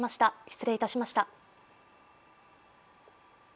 失礼いたしました。